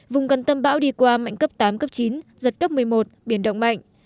vùng gần tâm bão đi qua mạnh cấp tám cấp chín giật cấp một mươi một biển động mạnh